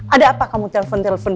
ada apa kamu telpon telepon